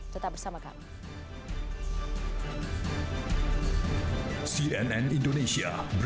tetap bersama kami